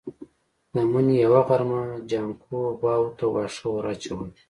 د مني يوه غرمه جانکو غواوو ته واښه ور اچول.